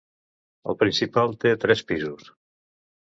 El principal té tres pisos.